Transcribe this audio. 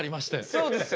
そうですよね。